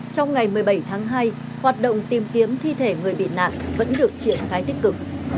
trong ngày một mươi bảy tháng hai hoạt động tìm kiếm thi thể người bị nạn vẫn được triển khai tích cực